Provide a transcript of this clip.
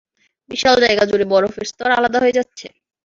বিশাল জায়গা জুড়ে বরফের স্তর আলাদা হয়ে যাচ্ছে!